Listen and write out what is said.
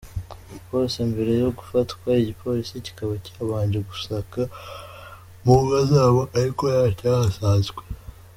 Bose mbere yo gufatwa igipolisi kikaba cyabanje gusaka mu ngo zabo ariko ntacyahasanzwe.